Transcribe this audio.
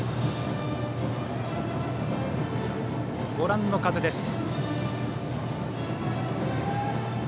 ご覧の風です。